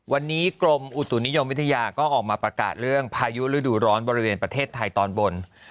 วันนี้กรมอุตุนิยมวิทยาก็ออกมาประกาศเรื่องพายุฤดูร้อนบริเวณประเทศไทยตอนบน